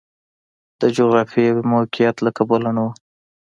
د جغرافیوي موقعیت له کبله نه و.